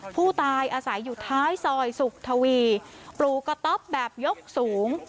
ผู้ตายอาศัยอยู่ท้ายซอยสุขทวีปลูกกระต๊อบแบบยกสูง